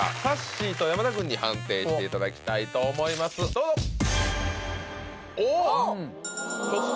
さっしーと山田くんに判定していただきたいと思いますどうぞ！